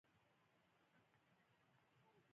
آیا کاناډا د روغتیا اداره نلري؟